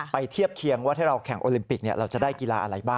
เทียบเคียงว่าถ้าเราแข่งโอลิมปิกเราจะได้กีฬาอะไรบ้าง